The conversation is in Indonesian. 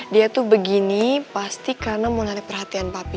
dia tuh begini pasti karena menarik perhatian papi